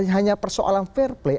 hanya persoalan fair play